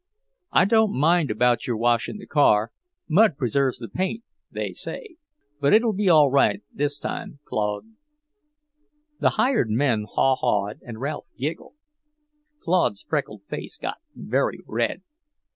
I don't mind about your washing the car; mud preserves the paint, they say, but it'll be all right this time, Claude." The hired men haw hawed and Ralph giggled. Claude's freckled face got very red.